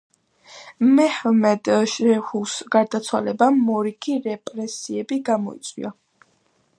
მეჰმედ შეჰუს გარდაცვალებამ მორიგი რეპრესიები გამოიწვია.